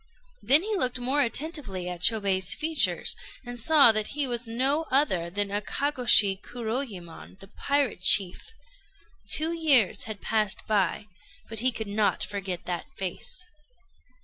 Then he looked more attentively at Chôbei's features, and saw that he was no other than Akagôshi Kuroyémon, the pirate chief. Two years had passed by, but he could not forget that face.